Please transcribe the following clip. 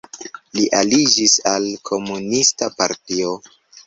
Li aliĝis al komunista partio.